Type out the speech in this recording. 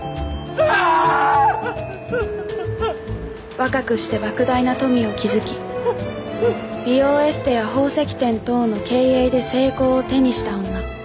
若くしてばく大な富を築き美容エステや宝石店等の経営で成功を手にした女